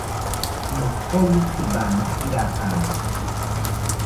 Nokoyi tziwana irakanto